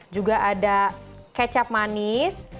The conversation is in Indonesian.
juga ada kecap manis